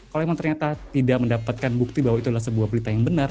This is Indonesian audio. kalau memang ternyata tidak mendapatkan bukti bahwa itu adalah sebuah berita yang benar